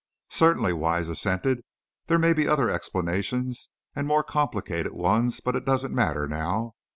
"Certainly," Wise assented, "there may be other explanations and more complicated ones. But it doesn't matter now.